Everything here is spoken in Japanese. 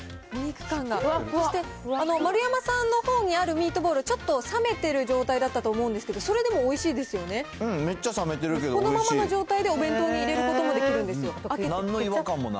そして、丸山さんのほうにあるミートボール、ちょっと冷めてる状態だったと思うんですけど、それでもおいしいうん、そのままの状態でお弁当に入なんの違和感もない。